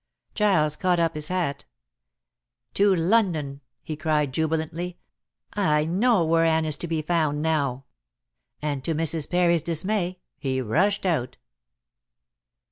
Giles caught up his hat. "To London," he cried jubilantly. "I know where Anne is to be found now." And to Mrs. Parry's dismay, he rushed out.